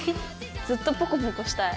ずっとポコポコしたい。